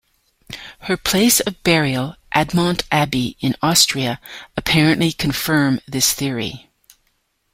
Her place of burial, Admont Abbey in Austria, apparently confirm this theory.